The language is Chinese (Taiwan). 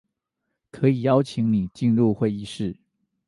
可以邀請你進入會議室